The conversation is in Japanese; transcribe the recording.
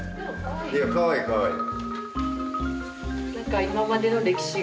いやかわいいかわいい。